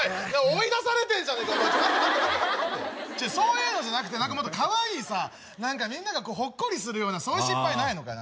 追い出されてんじゃねえかお前ちょっと待て待て待て待てそういうのじゃなくて何かもっとかわいいさみんながほっこりするようなそういう失敗ないのか？